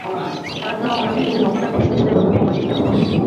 খেলাধূলা ও অন্যান্য ক্ষেত্রে নগ্নতার প্রদর্শনী ছিল এর অন্যতম বৈশিষ্ট্য।